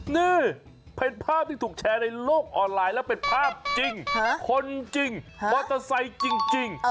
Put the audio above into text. นี่เป็นภาพที่ถูกแชร์ในโลกออนไลน์แล้วเป็นภาพจริงคนจริงมอเตอร์ไซค์จริง